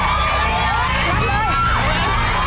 เหมือนกินเหมือนกิน